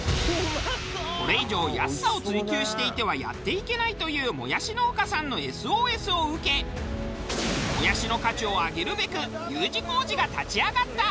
これ以上安さを追求していてはやっていけないというもやし農家さんのＳＯＳを受けもやしの価値を上げるべくＵ字工事が立ち上がった！